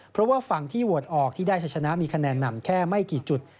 เพราะว่าฝั่งที่โหวตออกที่ได้ใช้ชนะมีคะแนนนำแค่ไม่กี่จุด